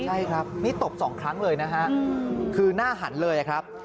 ใช่ครับนี่ตบสองครั้งเลยนะฮะคือหน้าหันเลยครับ